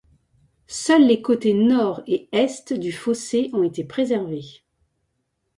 Seuls les côtés nord et est du fossé ont été préservés.